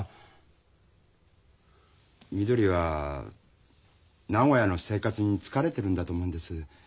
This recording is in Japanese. みどりは名古屋の生活に疲れてるんだと思うんです。